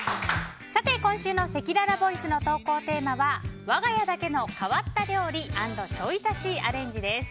今週のせきららボイスの投稿テーマはわが家だけの変わった料理＆ちょい足しアレンジです。